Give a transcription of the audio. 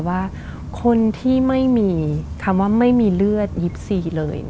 ว่าคนที่ไม่มีคำว่าไม่มีเลือด๒๔เลย